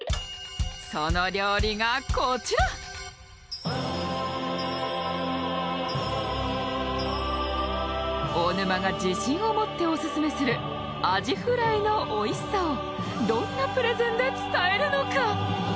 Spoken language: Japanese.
その料理がこちら大沼が自信を持ってオススメするアジフライのおいしさをどんなプレゼンで伝えるのか？